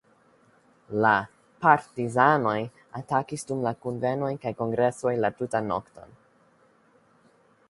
La "Partizanoj" atakis dum la kunvenoj kaj kongresoj la tn.